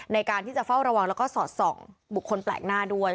ในการที่จะเฝ้าระวังแล้วก็สอดส่องบุคคลแปลกหน้าด้วย